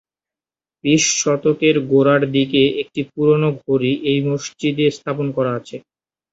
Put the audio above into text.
বিশ শতকের গোড়ার দিকের একটি পুরানো ঘড়ি এই মসজিদে স্থাপন করা আছে।